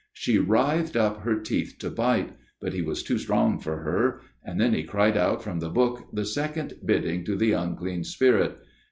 She writhed up her teeth to bite, but^xe was too strong for her, and then he cried out from the book the second bidding to the unclean spirit.